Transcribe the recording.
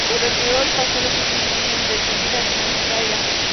Se retiró y pasó los últimos años de su vida en Austria.